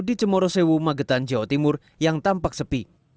di cemoro sewu magetan jawa timur yang tampak sepi